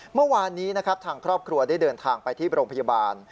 เมื่อวานนี้นะครับทางครอบครัวได้เดินทางไปที่โรงพยาบาล